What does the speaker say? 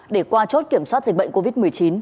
để qua chốt kiểm soát dịch bệnh covid một mươi chín